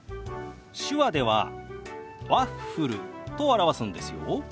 手話では「ワッフル」と表すんですよ。